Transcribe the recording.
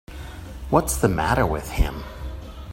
What's the matter with him.